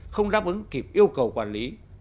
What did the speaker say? không đáp ứng kịp yêu cầu quản lý